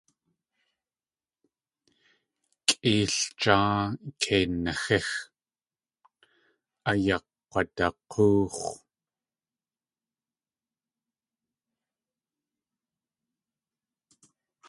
Kʼeeljáa kei naxíx - ayakk̲wadak̲óox̲.